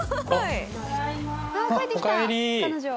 あっ帰ってきた彼女。